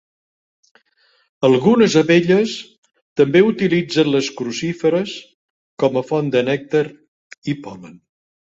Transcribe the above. Algunes abelles també utilitzen les crucíferes com a font de nèctar i pol·len.